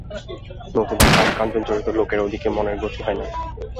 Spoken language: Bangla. নতুবা কাম-কাঞ্চন-জড়িত লোকের ওদিকে মনের গতিই হয় না।